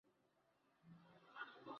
Ninapenda kusoma.